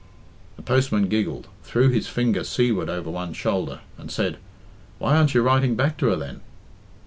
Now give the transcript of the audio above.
The postman giggled, threw his finger seaward over one shoulder, and said, "Why aren't you writing back to her, then?"